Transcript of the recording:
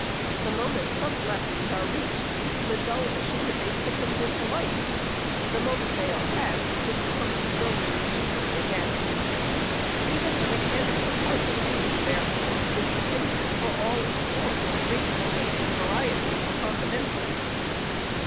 The moment such lessons are reached, the dull machinery quickens into life ; the moment they are SECOND ANNUAL REPORT. 543 passed, it becomes droning machinery again. Even the mechanical part of reading, therefore, is dependent for all its force, gracefulness and variety upon the mental.